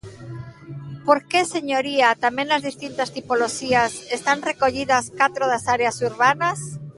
Porque, señoría, tamén nas distintas tipoloxías están recollidas catro das áreas urbanas.